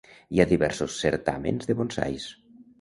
Hi ha diversos certàmens de bonsais.